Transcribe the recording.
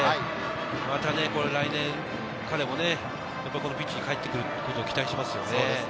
また来年、彼もこのピッチに帰ってくることを期待しますよね。